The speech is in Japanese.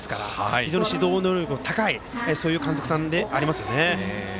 非常に指導能力の高い監督さんですよね。